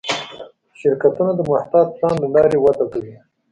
شرکتونه د محتاط پلان له لارې وده کوي.